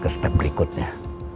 ke step berikutnya